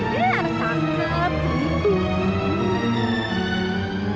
dia anak sangka betul